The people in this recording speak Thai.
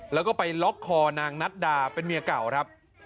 แล้วก็ไปล็อกคอนางนัดดาเป็นเมียเก่าครับ